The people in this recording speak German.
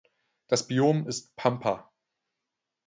Das Biom ist Pampa.